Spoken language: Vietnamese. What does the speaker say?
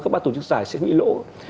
các bà tổ chức giải sẽ bị lỗ